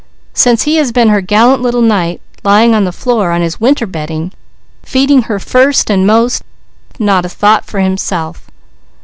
Since, he has been her gallant little knight, lying on the floor on his winter bedding, feeding her first and most, not a thought for himself.